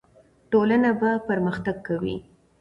ټولنه به پرمختګ کوي.